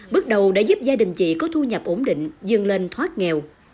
bước đầu đã giúp gia đình chị có thu nhập ổn định dường lên thoát nghèo